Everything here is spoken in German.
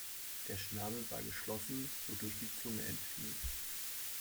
Der Schnabel war geschlossen, wodurch die Zunge entfiel.